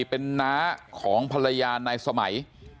เป็นน้าของภรรยานายสมัย